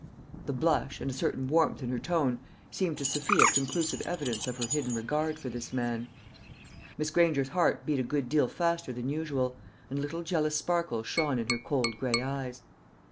The blush, and a certain warmth in her tone, seemed to Sophia conclusive evidence of her hidden regard for this man. Miss Granger's heart beat a good deal faster than usual, and little jealous sparkles shone in her cold gray eyes.